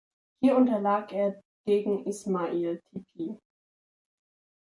Hier unterlag er gegen Ismail Tipi.